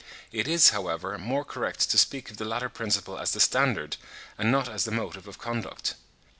It is, however, more correct to speak of the latter principle as the standard, and not as the motive of conduct.